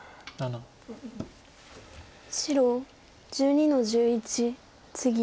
白１２の十一ツギ。